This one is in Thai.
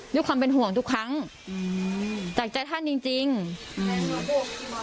ด้วยความเป็นห่วงทุกครั้งอืมจากใจท่านจริงจริงอืม